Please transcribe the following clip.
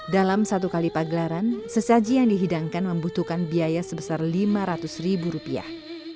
dalam satu kali pagelaran sesaji yang dihidangkan membutuhkan biaya sebesar lima ratus ribu rupiah